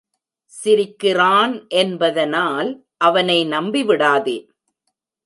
சிரிக்கிறான் என்பதனால் அவனை நம்பிவிடாதே.